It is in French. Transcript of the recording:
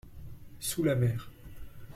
Sous la mer.